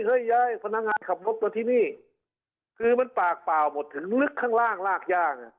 เฮ้ยยายพนักงานขับรถมาที่นี่คือมันปากเปล่าหมดถึงลึกข้างล่างลากย่าง